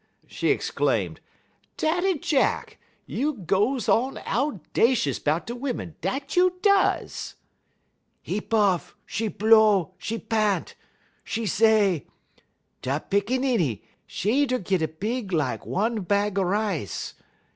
she exclaimed. "Daddy Jack, you goes on owdashus 'bout de wimmen, dat you does!" "'E puff, 'e blow, 'e pant; 'e say: "'Da pickaninny, 'e der git a big lak one bag rice.